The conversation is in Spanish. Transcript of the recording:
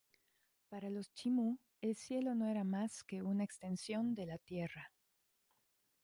Para los chimú, el cielo no era más que una extensión de la tierra.